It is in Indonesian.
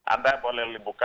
anda boleh membuka